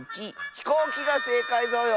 「ひこうき」がせいかいぞよ！